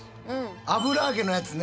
油揚げのやつね。